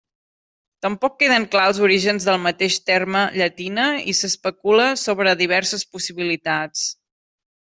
Tampoc queden clars els orígens del mateix terme llatina i s'especula sobre diverses possibilitats.